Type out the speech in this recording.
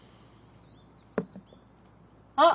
あっ！